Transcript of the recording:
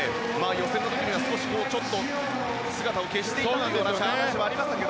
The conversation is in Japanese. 予選の時はちょっと姿を消していたなんて話もありましたが。